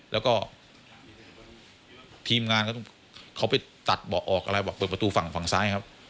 แล้วก็ทีมงานก็ต้องเขาไปตัดเบาะออกอะไรบอกเปิดประตูฝั่งฝั่งซ้ายครับ